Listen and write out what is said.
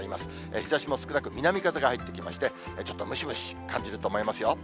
日ざしも少なく、南風が入ってきまして、ちょっとムシムシ感じると思いますよ。